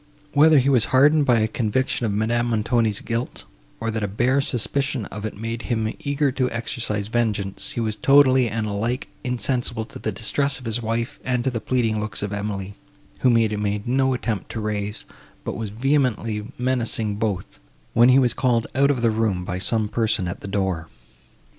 Whether his was hardened by a conviction of Madame Montoni's guilt, or that a bare suspicion of it made him eager to exercise vengeance, he was totally and alike insensible to the distress of his wife, and to the pleading looks of Emily, whom he made no attempt to raise, but was vehemently menacing both, when he was called out of the room by some person at the door.